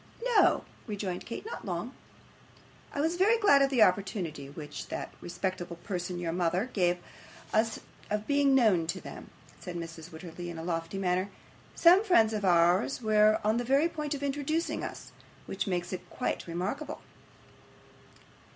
'No,' rejoined Kate. 'Not long.' 'I was very glad of the opportunity which that respectable person, your mother, gave us of being known to them,' said Mrs. Wititterly, in a lofty manner. 'Some friends of ours were on the very point of introducing us, which makes it quite remarkable.